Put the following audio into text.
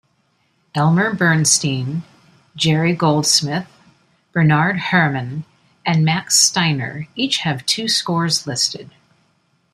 Elmer Bernstein, Jerry Goldsmith, Bernard Herrmann, and Max Steiner each have two scores listed.